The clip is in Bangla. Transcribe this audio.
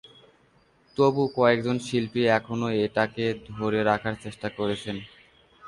তবু কয়েকজন শিল্পী এখনো এটাকে ধরে রাখার চেষ্টা করেছেন।